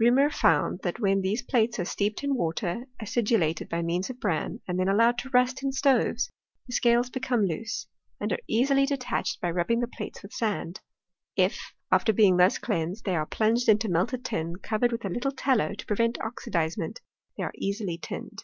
Reaumur found, that when these plates are steeped in water acidulated by means of bran, and then allowed to rust in stoves, the scales become loose, and are easily detached by rubbinj^ the plates with sand. If after being thus cleansed they are plunj^ed into melted tin, covered with a little tallow to prevent oxidizement, they are easily tinned.